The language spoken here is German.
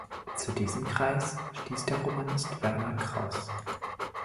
Zu diesem Kreis stieß der Romanist Werner Krauss.